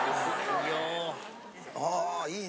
・ああいいね。